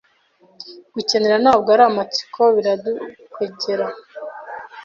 Gukenera ntabwo ari amatsiko biradukwegera